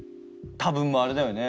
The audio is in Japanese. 多分もうあれだよね？